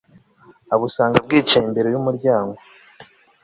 abusanga bwicaye imbere y'umuryango